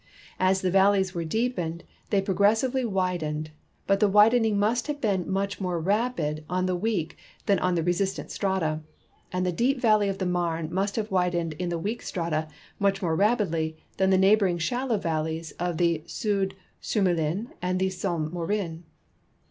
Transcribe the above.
As the valleys were deepened they progressively widened, but the widening must have been much more rapid on the weak than on the resistant strata ; and the deep valle}'' of the Marne must have widened in the weaker strata much more rapidl}" than the neighboring shallow valleys of the Soude Surmelin and the Somme Morin.